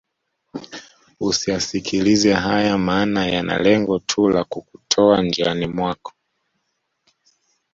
Usiyaskilize haya maana yana lengo tu la kukutoa njiani mwako